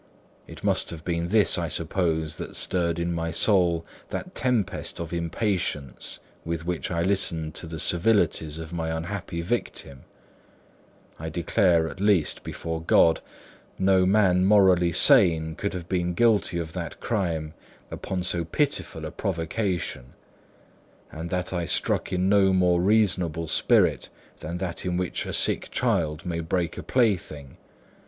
It must have been this, I suppose, that stirred in my soul that tempest of impatience with which I listened to the civilities of my unhappy victim; I declare, at least, before God, no man morally sane could have been guilty of that crime upon so pitiful a provocation; and that I struck in no more reasonable spirit than that in which a sick child may break a plaything.